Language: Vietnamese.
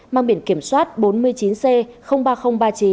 mang biển kiểm soát bốn mươi chín c ba nghìn ba mươi chín